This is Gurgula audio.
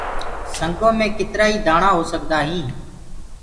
سنگو مي ڪيترآ ئي دآڻآ هو سگدآئين